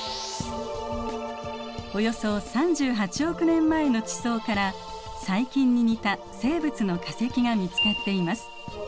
およそ３８億年前の地層から細菌に似た生物の化石が見つかっています。